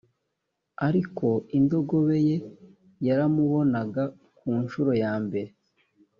ariko indogobe ye yaramubonaga ku ncuro yambere